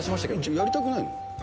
やりたくないの？